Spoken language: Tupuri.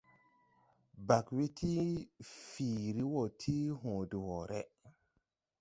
Bag we ti fiiri wo ti hõõ de woore.